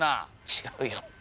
違うよ。